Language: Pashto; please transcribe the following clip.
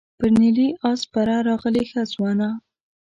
پر نیلي آس سپره راغلې ښه ځوانه.